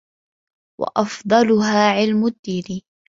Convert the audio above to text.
وَأَفْضَلُهَا عِلْمُ الدِّينِ